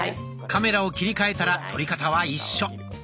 カメラを切り替えたら撮り方は一緒。